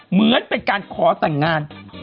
เหมือนเป็นการขอแต่งงาน